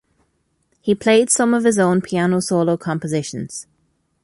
He played some of his own piano solo compositions.